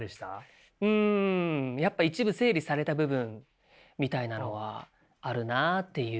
うんやっぱ一部整理された部分みたいなのはあるなっていう。